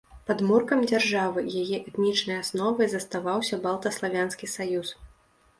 Падмуркам дзяржавы, яе этнічнай асновай заставаўся балта-славянскі саюз.